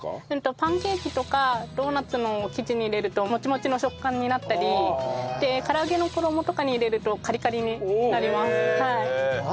パンケーキとかドーナツの生地に入れるとモチモチの食感になったり唐揚げの衣とかに入れるとカリカリになります。